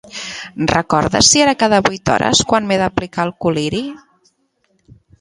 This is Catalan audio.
Recordes si era cada vuit hores quan m'he d'aplicar el col·liri?